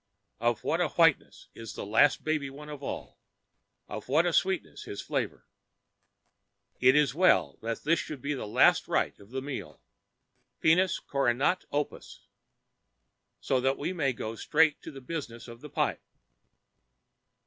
Of what a whiteness is the last baby one of all, of what a sweetness his flavor. It is well that this should be the last rite of the meal finis coronat opus so that we may go straight on to the business of the pipe.